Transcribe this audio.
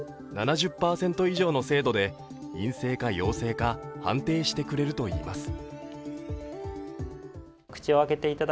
７０％以上の精度で陰性か陽性か判定してくれるといいます。